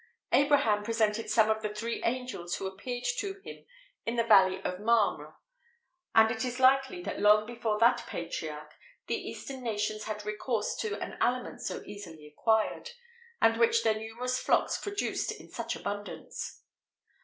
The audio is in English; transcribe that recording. Abraham presented some to the three angels who appeared to him in the valley of Mamre;[XVIII 1] and it is likely, that long before that patriarch, the eastern nations had recourse to an aliment so easily acquired, and which their numerous flocks produced in such abundance.